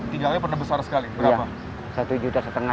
tiga kali pernah besar sekali berapa